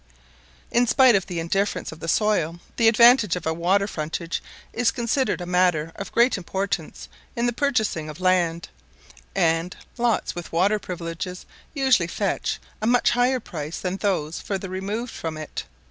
In spite of the indifference of the soil the advantage of a water frontage is considered a matter of great importance in the purchasing of land; and, lots with water privileges usually fetch a much higher price than those further removed from it.